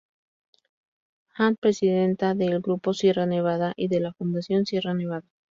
And., presidenta del Grupo Sierra Nevada y de la Fundación Sierra Nevada.